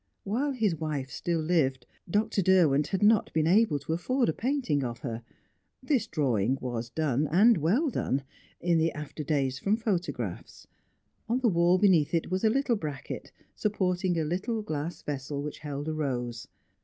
Whilst his wife still lived, Dr. Derwent had not been able to afford a painting of her; this drawing was done and well done, in the after days from photographs. On the wall beneath it was a little bracket, supporting a little glass vessel which held a rose.